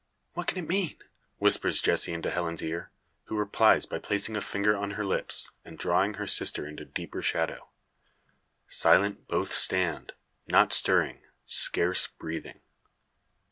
"What can it mean?" whispers Jessie into Helen's ear; who replies by placing a finger on her lips, and drawing her sister into deeper shadow. Silent both stand, not stirring, scarce breathing.